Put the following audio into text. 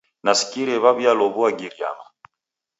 Nasikire wa'w'ialow'ua Giriyama.